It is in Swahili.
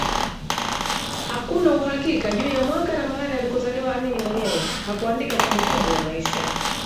Hakuna uhakika juu ya mwaka na mahali alikozaliwa Amin mwenyewe hakuandika kumbukumbu ya maisha